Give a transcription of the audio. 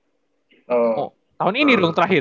oh tahun ini dong terakhir